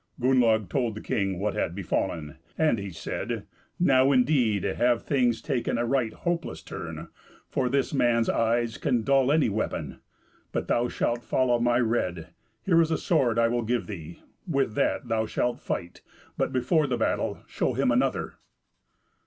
Gunnlaug told the king what had befallen; and he said, "Now, indeed, have things taken a right hopeless turn; for this man's eyes can dull any weapon. But thou shalt follow my rede; here is a sword I will give thee with that thou shalt fight, but before the battle show him another."